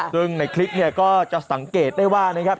ซึ่งในคลิปเนี่ยก็จะสังเกตได้ว่านะครับ